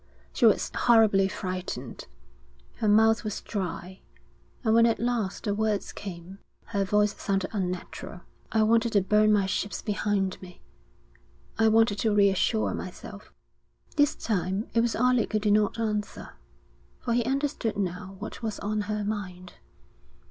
She was horribly frightened. Her mouth was dry, and when at last the words came, her voice sounded unnatural. 'I wanted to burn my ships behind me. I wanted to reassure myself.' This time it was Alec who did not answer, for he understood now what was on her mind.